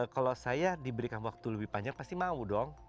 kalau saya diberikan waktu lebih panjang pasti mau dong